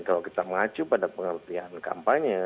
kalau kita mengacu pada pengertian kampanye